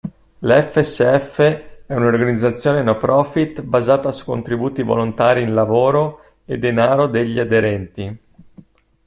La FSF è un'organizzazione no profit basata su contributi volontari in lavoro e denaro degli aderenti.